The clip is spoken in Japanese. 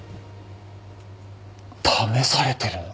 試されてるんだ。